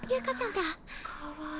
かわいい。